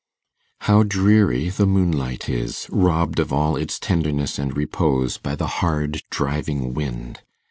How dreary the moonlight is! robbed of all its tenderness and repose by the hard driving wind.